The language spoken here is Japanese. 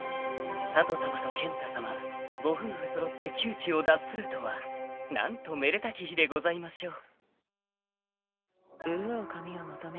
［佐都さまと健太さまご夫婦揃って窮地を脱するとはなんとめでたき日でございましょう］